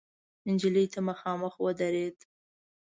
نجلۍ ته مخامخ ودرېد.